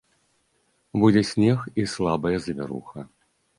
Будзе снег і слабая завіруха.